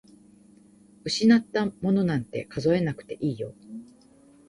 失ったものなんて数えなくていいよ。